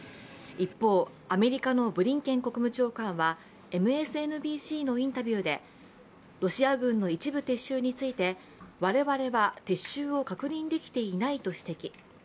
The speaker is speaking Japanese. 一方、アメリカのブリンケン国務はＭＳＮＢＣのインタビューでロシア軍の一部撤収について我々は撤収を確認できていないと指摘。